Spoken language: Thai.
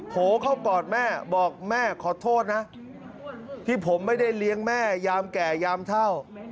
โหเข้ากอดแม่บอกแม่ขอโทษนะที่ผมไม่ได้เลี้ยงแม่ยามแก่ยามเท่า